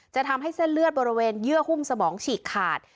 ทำให้เส้นเลือดบริเวณเยื่อหุ้มสมองฉีกขาด